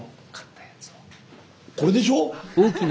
これでしょう？